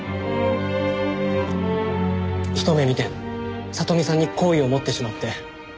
一目見て里美さんに好意を持ってしまって。